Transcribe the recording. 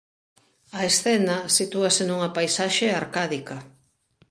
A escena sitúase nunha paisaxe arcádica.